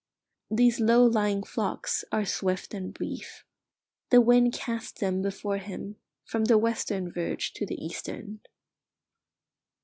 These low lying flocks are swift and brief; the wind casts them before him, from the western verge to the eastern.